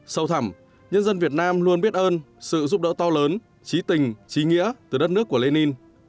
sâu thẳm nhân dân việt nam luôn biết ơn sự giúp đỡ to lớn trí tình trí nghĩa từ đất nước của lê ninh